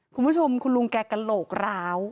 คุณผู้ชมคุณลุงแกกระโหลกร้าว